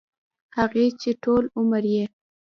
هغـې چـې ټـول عـمر يـې